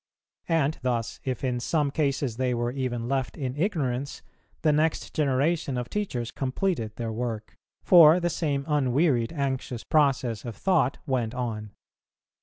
And thus if in some cases they were even left in ignorance, the next generation of teachers completed their work, for the same unwearied anxious process of thought went on.